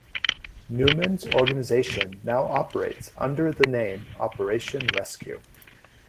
Newman's organization now operates under the name Operation Rescue.